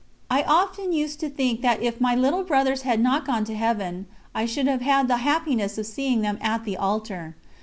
I often used to think that if my little brothers had not gone to Heaven, I should have had the happiness of seeing them at the Altar.